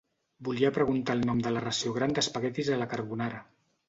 Volia preguntar el nom de la ració gran d'espaguetis a la carbonara.